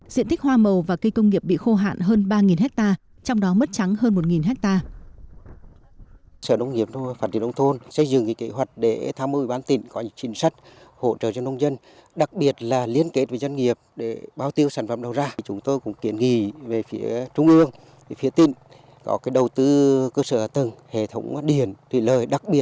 diện tích hoa màu và cây công nghiệp bị khô hạn hơn ba hectare trong đó mất trắng hơn một hectare